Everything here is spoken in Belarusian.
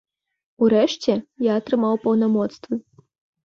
Урэшце, я атрымаў паўнамоцтвы.